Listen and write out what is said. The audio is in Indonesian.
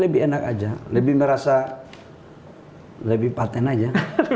lebih enak aja lebih merasa lebih patent aja